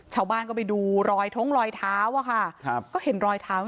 ชาวบ้านก็ไปดูรอยท้องรอยเท้าอะค่ะครับ